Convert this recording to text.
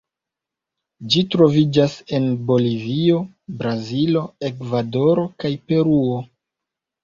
Ĝi troviĝas en Bolivio, Brazilo, Ekvadoro kaj Peruo.